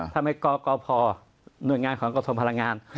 ทำไมกกพงษ์โนยงงานของเกาะทรงพลังงาน